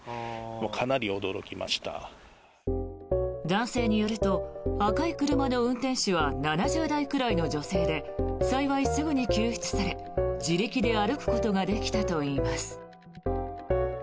男性によると赤い車の運転手は７０代くらいの女性で幸いすぐに救出され自力で歩くことができたといいます。